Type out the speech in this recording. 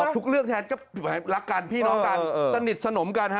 ทุกเรื่องแทนก็รักกันพี่น้องกันสนิทสนมกัน